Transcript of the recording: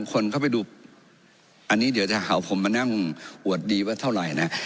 คนเข้าไปดูอันนี้เดี๋ยวจะหาผมมานั่งอวดดีว่าเท่าไหร่นะ